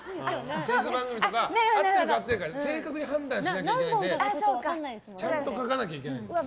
クイズ番組とか合ってるか合ってないか正確に判断しなきゃいけないのでちゃんと書かなきゃいけないですね。